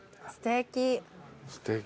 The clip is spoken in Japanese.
すてき。